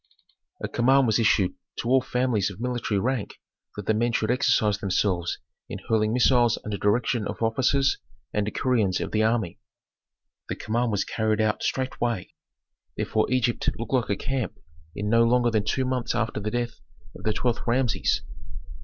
A command was issued to all families of military rank that the men should exercise themselves in hurling missiles under direction of officers and decurions of the army. The command was carried out straightway, therefore Egypt looked like a camp in no longer than two months after the death of the twelfth Rameses.